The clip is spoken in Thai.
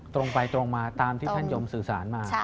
ตรงไปตรงมาตามที่ท่านยมสื่อสารมา